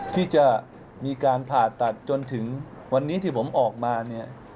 ที่จะมีการผ่าตัดจนถึงวันนี้ที่ผมออกมาเนี่ย